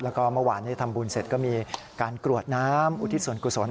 แล้วก็เมื่อวานนี้ทำบุญเสร็จก็มีการกรวดน้ำอุทิศส่วนกุศล